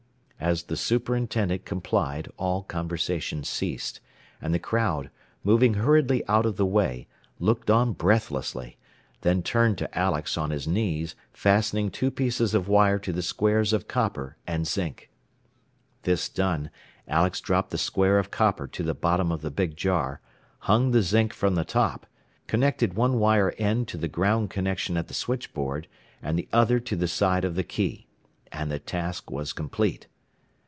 As the superintendent complied all conversation ceased, and the crowd, moving hurriedly out of the way, looked on breathlessly, then turned to Alex, on his knees, fastening two pieces of wire to the squares of copper and zinc. This done, Alex dropped the square of copper to the bottom of the big jar, hung the zinc from the top, connected one wire end to the ground connection at the switchboard, and the other to the side of the key. And the task was complete.